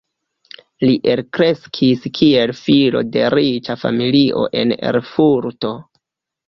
Li elkreskis kiel filo de riĉa familio en Erfurto.